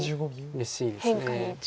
うれしいです。